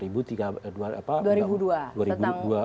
dua ribu dua tentang undang undang kepolisian